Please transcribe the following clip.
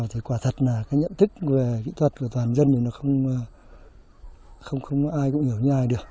thì quả thật là cái nhận thức về kỹ thuật của toàn dân thì nó không có ai cũng hiểu như ai được